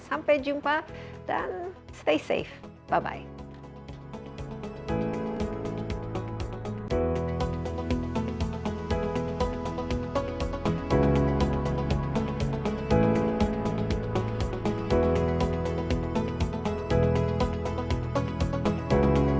sampai jumpa dan stay safe bye